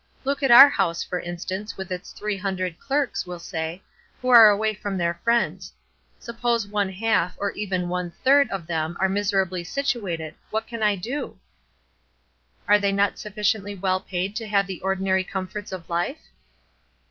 Look at our house, for instance, with its three hundred clerks, we'll say, who are away from their friends; suppose one half, or even one third, of them are miserably situated, what can I do?" "Are they not sufficiently well paid to have the ordinary comforts of life?"